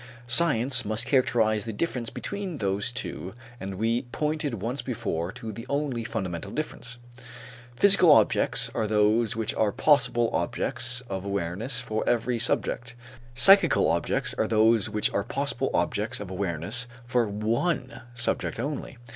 Science must characterize the difference between those two and we pointed once before to the only fundamental difference. Physical objects are those which are possible objects of awareness for every subject; psychical objects are those which are possible objects of awareness for one subject only.